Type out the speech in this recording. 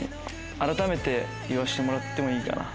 改めて言わしてもらってもいいかな。